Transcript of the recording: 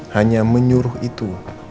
hanya menyuruh itu